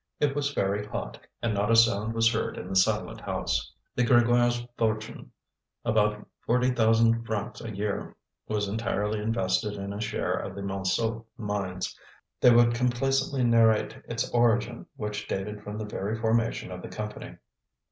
It was very hot, and not a sound was heard in the silent house. The Grégoires' fortune, about forty thousand francs a year, was entirely invested in a share of the Montsou mines. They would complacently narrate its origin, which dated from the very formation of the Company.